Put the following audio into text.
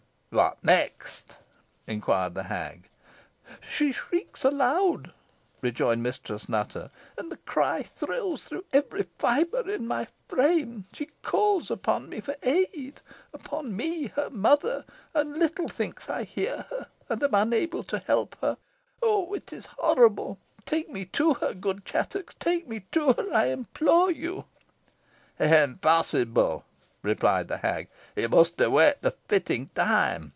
"What next?" inquired the hag. "She shrieks aloud," rejoined Mistress Nutter, "and the cry thrills through every fibre in my frame. She calls upon me for aid upon me, her mother, and little thinks I hear her, and am unable to help her. Oh! it is horrible. Take me to her, good Chattox take me to her, I implore you!" "Impossible!" replied the hag: "you must await the fitting time.